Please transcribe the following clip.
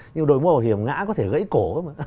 nhưng đội mũ bảo hiểm ngã có thể gãy cổ